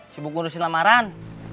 sibuk ngurusin lamaran